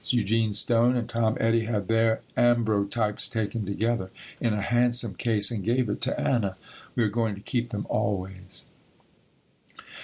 Eugene Stone and Tom Eddy had their ambrotypes taken together, in a handsome case, and gave it to Anna. We are going to keep them always.